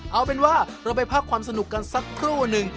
เอาเป็นว่าเราไปพักความสนุกกันสักครู่หนึ่ง